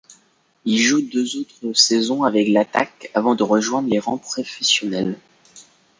Il joue deux autres saisons avec l'Attack avant de rejoindre les rangs professionnels.